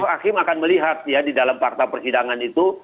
hakim akan melihat ya di dalam fakta persidangan itu